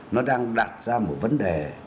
nó đang đặt ra một vấn đề